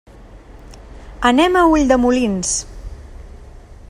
Anem a Ulldemolins.